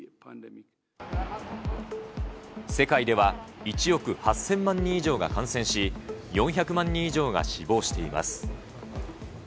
世界では１億８０００万人以上が感染し、４００万人以上が死亡しています。